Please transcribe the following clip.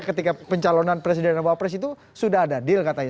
ketika pencalonan presiden dan wapres itu sudah ada deal katanya